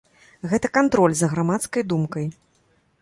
Гэта кантроль за грамадскай думкай.